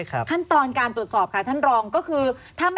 รับรับ